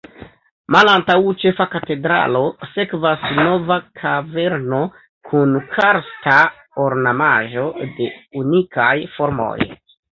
Malantaŭ Ĉefa katedralo sekvas Nova kaverno kun karsta ornamaĵo de unikaj formoj.